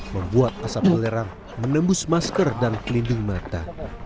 membuat asap belerang menembus masker dan kelindung mata